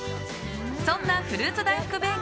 そんなフルーツ大福べー